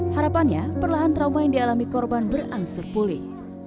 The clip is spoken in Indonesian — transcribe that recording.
harapannya perlahan trauma yang dialami korban berangsur pulih